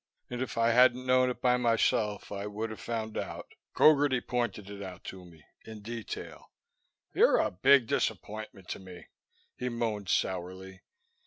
And if I hadn't known it by myself, I would have found out. Gogarty pointed it out to me, in detail. "You're a big disappointment to me," he moaned sourly.